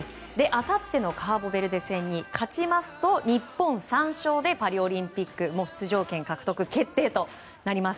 あさってのカーボベルデ戦に勝ちますと日本３勝でパリオリンピック出場権獲得決定となります。